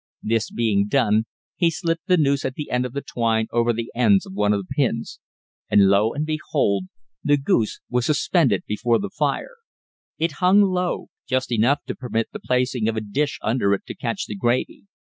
This being done, he slipped the noose at the end of the twine over the ends of one of the pins. And lo and behold! the goose was suspended before the fire. It hung low just high enough to permit the placing of a dish under it to catch the gravy.